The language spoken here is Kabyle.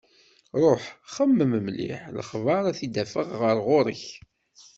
Ruḥ! Xemmem mliḥ, lexbar ad t-id-afeɣ ɣer ɣur-k.